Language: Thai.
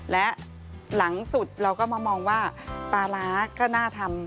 และหลังสุดเราก็มามองว่าปลาร้าก็น่าทำ